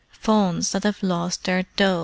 Fawns that have lost their doe!"